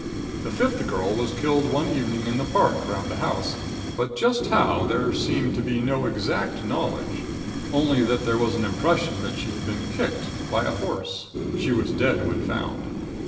The fifth girl was killed one evening in the park 'round the house; but just how, there seemed to be no exact knowledge; only that there was an impression that she had been kicked by a horse. She was dead when found.